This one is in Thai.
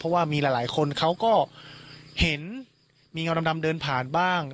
เพราะว่ามีหลายคนเขาก็เห็นมีเงาดำเดินผ่านบ้าง